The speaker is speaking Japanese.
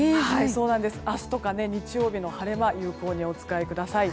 明日とか日曜日の晴れ間を有効にお使いください。